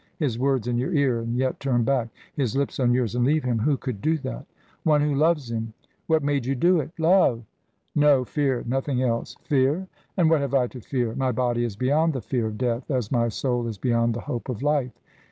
His words in your ear, and yet turn back? His lips on yours, and leave him? Who could do that?" "One who loves him." "What made you do it?" "Love." "No fear nothing else " "Fear? And what have I to fear? My body is beyond the fear of death, as my soul is beyond the hope of life.